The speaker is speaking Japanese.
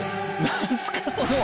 何すかその。